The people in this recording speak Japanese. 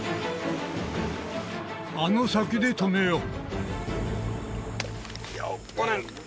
あの先で止めよう